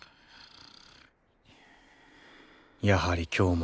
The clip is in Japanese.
やはり今日も。